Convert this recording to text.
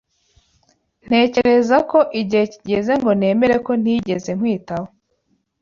Ntekereza ko igihe kigeze ngo nemere ko ntigeze nkwitaho.